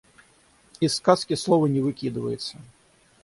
Из сказки слово не выкидывается.